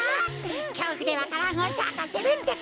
きょうふでわか蘭をさかせるってか。